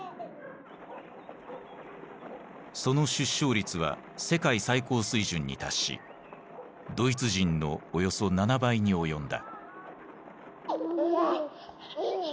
その出生率は世界最高水準に達しドイツ人のおよそ７倍に及んだ。